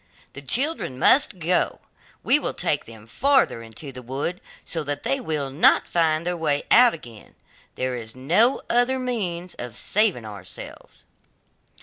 The children must go, we will take them farther into the wood, so that they will not find their way out again; there is no other means of saving ourselves!